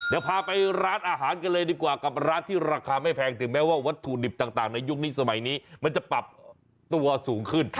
เดี๋ยวพาไปร้านอาหารกันเลยดีกว่ากับร้านที่ราคาไม่แพงถึงแม้ว่าวัตถุดิบต่างในยุคนี้สมัยนี้มันจะปรับตัวสูงขึ้น